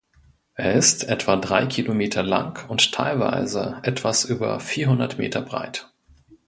Er ist etwa drei Kilometer lang und teilweise etwas über vierhundert Meter breit.